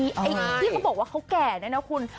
ที่เขาบอกว่าเขาแก่นะคุณ